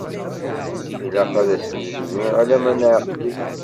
Ilaq-as ad t-nezwi alamma neɛqel-it.